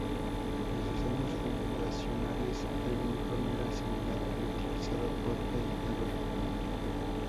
En sus años fundacionales, el uniforme era similar al utilizado por el Everton.